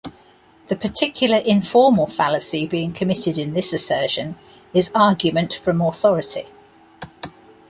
The particular informal fallacy being committed in this assertion is argument from authority.